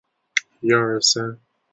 属辽东郡。